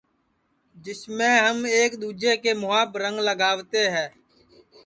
جسمیں ہم ایک دؔوجے کے مُہاپ رنگ لگاوتے ہے